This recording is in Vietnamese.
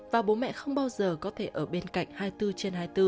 và bố mẹ không bao giờ có thể ở bên cạnh hai mươi bốn trên hai mươi bốn